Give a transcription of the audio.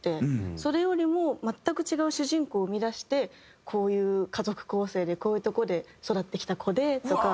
それよりも全く違う主人公を生み出してこういう家族構成でこういうとこで育ってきた子でとか。